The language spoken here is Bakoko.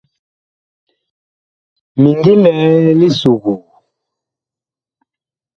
Mi ngi lɛ li suguu.